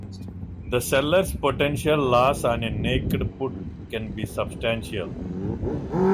The seller's potential loss on a naked put can be substantial.